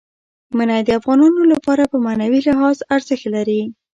منی د افغانانو لپاره په معنوي لحاظ ارزښت لري.